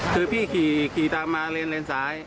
คือพี่ขี่ตามมาเลนเลนซ้าย